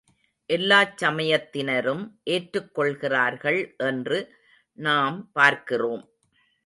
எல்லாச் சமயத்தினரும் ஏற்றுக் கொள்கிறார்கள் என்று நாம் பார்க்கிறோம்.